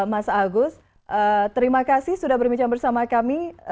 mas agus terima kasih sudah berbincang bersama kami